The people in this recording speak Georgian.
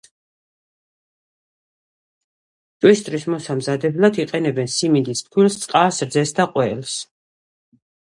ჭვიშტარის მოსამზადებლად იყენებენ სიმინდის ფქვილს, წყალს, რძესა და ყველს.